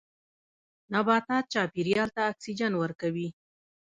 نباتات چاپیریال ته اکسیجن ورکوي